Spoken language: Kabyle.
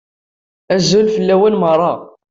Azul fell-awen meṛṛa.